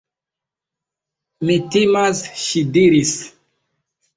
Mi timas, ŝi diris.